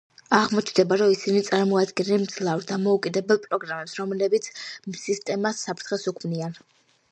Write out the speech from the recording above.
აღმოჩნდება, რომ ისინი წარმოადგენენ მძლავრ დამოუკიდებელ პროგრამებს, რომლებიც სისტემას საფრთხეს უქმნიან.